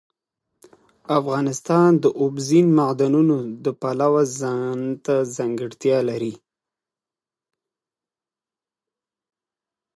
افغانستان د اوبزین معدنونه د پلوه ځانته ځانګړتیا لري.